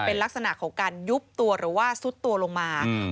เป็นลักษณะของการยุบตัวหรือว่าซุดตัวลงมา